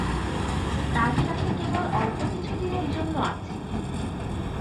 তার সাথে কেবল অল্পকিছু দিনের জন্য আছি।